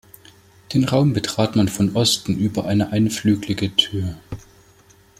Den Raum betrat man von Osten über eine einflügelige Tür.